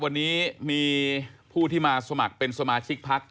วันนี้มีผู้ที่มาสมัครเป็นสมาชิกพัก